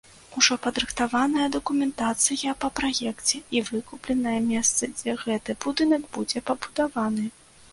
Ужо падрыхтаваная дакументацыя па праекце і выкупленае месца, дзе гэты будынак будзе пабудаваны.